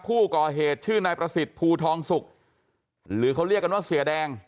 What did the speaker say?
ผู้ก่อเหตุชื่อนายประสิทธิ์ภูทองสุกหรือเขาเรียกกันว่าเสียแดง